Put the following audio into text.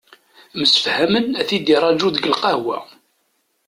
Msefhamen ad t-id-iraju deg lqahwa.